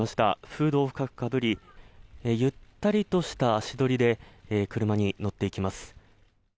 フードを深くかぶりゆったりとした足取りで車に乗っています。